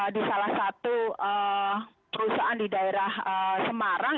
di salah satu perusahaan di daerah semarang